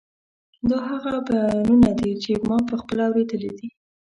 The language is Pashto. دا هغه بیانونه دي چې ما پخپله اورېدلي دي.